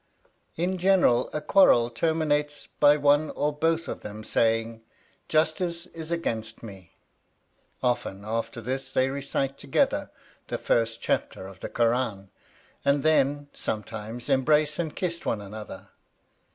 In general a quarrel terminates by one or both of them saying "Justice is against me"; often after this they recite together the first chapter of the Kur ân; and then, sometimes, embrace and kiss one another.